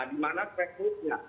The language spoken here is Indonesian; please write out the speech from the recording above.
di mana stresnya